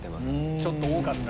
ちょっと多かった。